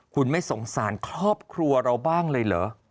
คุณไม่สงสารครอบครัวเราบ้างเลยเหรอ